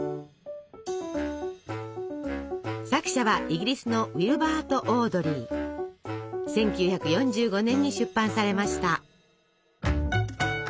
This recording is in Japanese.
作者はイギリスの１９４５年に出版されました。